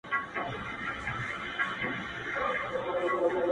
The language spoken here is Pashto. چا پوښتنه ورنه وكړله نادانه،